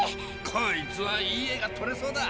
こいつはいい画がとれそうだ！